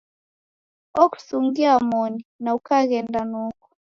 Okusungia moni, na ukaghenda noko.